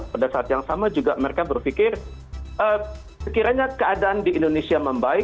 pada saat yang sama juga mereka berpikir sekiranya keadaan di indonesia membaik